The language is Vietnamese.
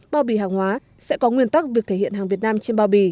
bao bì hàng hóa sẽ có nguyên tắc việc thể hiện hàng việt nam trên bao bì